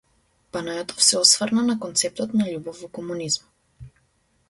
Панајотов се осврна на концептот на љубов во комунизмот.